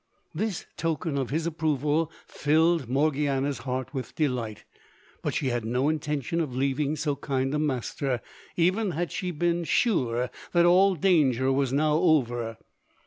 This token of his approval filled Morgiana's heart with delight, but she had no intention of leaving so kind a master, even had she been sure that all danger was now over.